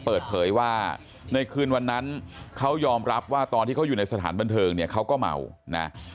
เปิดเผยว่าในคืนวันนั้นเขายอมรับว่าตอนที่เขาอยู่ในสถานบันเทิงเนี่ยเขาก็เมานะ